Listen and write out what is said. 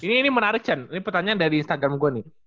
ini menarik chan ini pertanyaan dari instagram gue nih